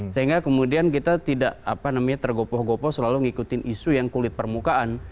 sehingga kemudian kita tidak tergopoh gopoh selalu mengikuti isu yang kulit permukaan